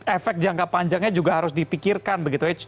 efek jangka panjangnya juga harus dipikirkan begitu